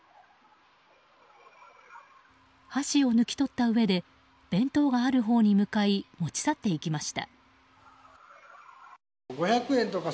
箸を抜き取ったうえで弁当があるほうへ向かい持ち去っていきました。